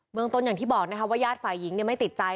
เมืองต้นอย่างที่บอกนะคะว่าญาติฝ่ายหญิงไม่ติดใจ